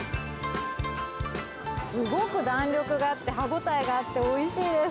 すごく弾力があって、歯応えがあっておいしいです。